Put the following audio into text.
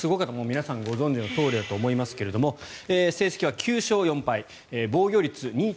皆さんご存じのとおりだと思いますが成績は９勝４敗防御率２．０２。